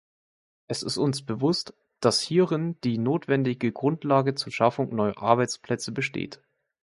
Es ist uns bewusst, dass hierin die notwendige Grundlage zur Schaffung neuer Arbeitsplätze besteht.